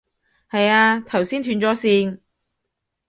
係啊，頭先斷咗線